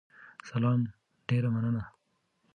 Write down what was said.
سلام، ډیره مننه